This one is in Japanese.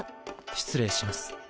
失礼します。